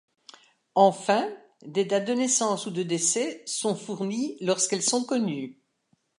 Enfin, des dates de naissance ou de décès sont fournies lorsqu'elles sont connues.